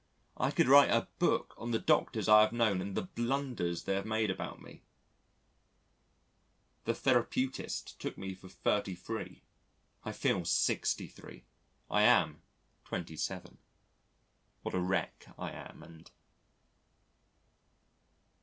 I could write a book on the Doctors I have known and the blunders they have made about me.... The therapeutist took me for 33. I feel 63. I am 27. What a wreck I am, and....